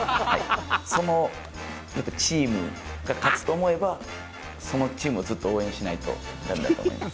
そのやっぱチームが勝つと思えば、そのチームずっと応援しないとだめだと思います。